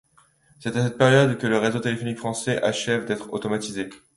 C'est à cette période que le réseau téléphonique français achève d'être automatisé.